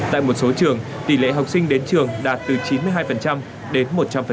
tại một số trường tỷ lệ học sinh đến trường đạt từ chín mươi hai đến một trăm linh